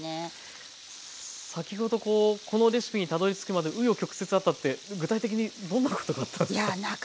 先ほどこうこのレシピにたどりつくまでう余曲折あったって具体的にどんなことがあったんですか？